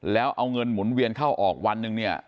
แล้วเอาเงินหมุนเวียนเข้าออกวันหนึ่งเนี่ย